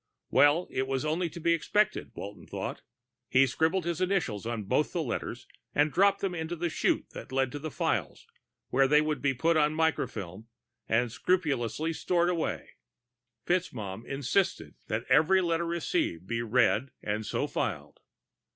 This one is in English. Well, it was only to be expected, Walton thought. He scribbled his initials on both the letters and dropped them into the chute that led to files, where they would be put on microfilm and scrupulously stored away. FitzMaugham insisted that every letter received be read and so filed.